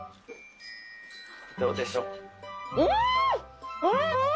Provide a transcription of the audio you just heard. どうでしょう？